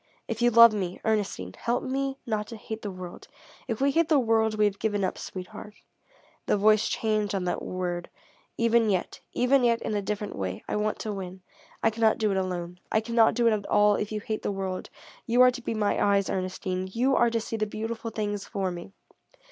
If you love me, Ernestine, help me not to hate the world. If we hate the world, we have given up. Sweetheart," the voice changed on that word "even yet even yet in a different way, I want to win. I cannot do it alone. I cannot do it at all, if you hate the world. You are to be my eyes, Ernestine. You are to see the beautiful things for me.